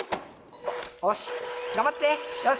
よし頑張ってよし。